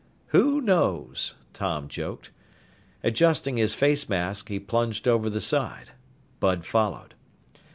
"Who knows?" Tom joked. Adjusting his face mask, he plunged over the side. Bud followed.